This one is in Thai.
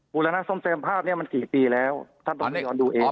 บูรณาซ่อมแซมภาพเนี่ยมันกี่ปีแล้วท่านต้องไปยอดดูเองครับ